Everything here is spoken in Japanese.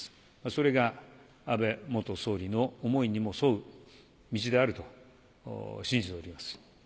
それが安倍元総理の思いにも沿う道であると信じております。